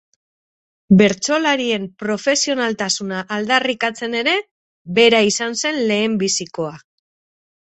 Bertsolarien profesionaltasuna aldarrikatzen ere, bera izan zen lehenbizikoa.